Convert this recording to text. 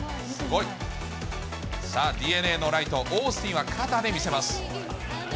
すごい。さあ、ＤｅＮＡのライト、オースティンは肩で見せます。